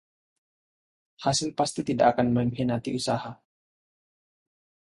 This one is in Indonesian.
Hasil pasti tidak akang mengkhianati usaha.